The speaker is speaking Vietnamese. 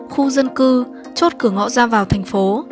khu dân cư chốt cửa ngõ ra vào thành phố